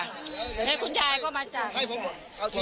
แล้วคุณยายก็มาจาก